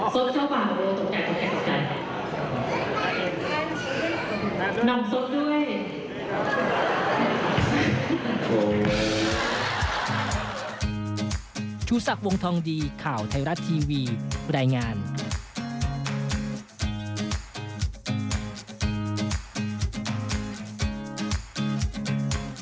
สบสบช่องหวานตกใจ